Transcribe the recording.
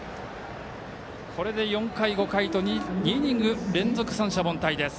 これで４回、５回と２イニング連続で三者凡退です。